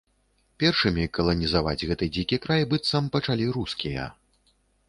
Першымі каланізаваць гэты дзікі край, быццам, пачалі рускія.